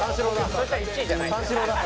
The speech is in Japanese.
そしたら１位じゃないじゃん。